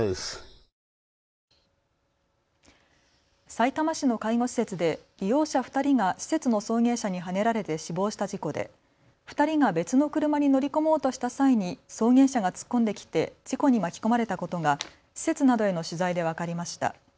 さいたま市の介護施設で利用者２人が施設の送迎車にはねられて死亡した事故で２人が別の車に乗り込もうとした際に送迎車が突っ込んできて事故に巻き込まれたことが施設などへの取材で分かりました。